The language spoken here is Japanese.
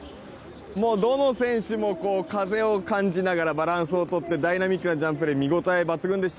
どの選手も風を感じながら、バランスをとってダイナミックなジャンプで見応え抜群でした！